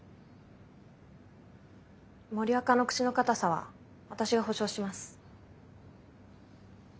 森若の口の堅さは私が保証します。